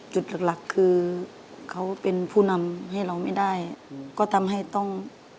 จุดหลักหลักคือเขาเป็นผู้นำให้เราไม่ได้ก็ทำให้ต้อง